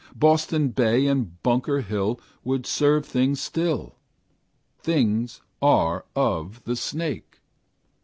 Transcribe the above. Boston Bay and Bunker Hill Would serve things still; Things are of the snake.